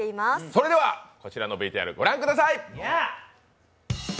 それではこちらのＶＴＲご覧ください！